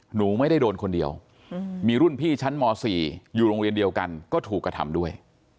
หนูไม่ได้โดนคนเดียวมีรุ่นพี่ชั้นม๔อยู่โรงเรียนเดียวกันก็ถูกกระทำด้วย